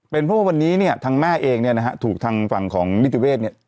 เป็นเพราะว่าวันนี้เนี่ยทางแม่เองเนี่ยนะฮะถูกทางฝั่งของนิติเวศเนี่ย